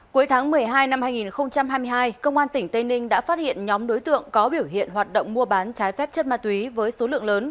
cuối tháng một mươi hai năm hai nghìn hai mươi hai công an tỉnh tây ninh đã phát hiện nhóm đối tượng có biểu hiện hoạt động mua bán trái phép chất ma túy với số lượng lớn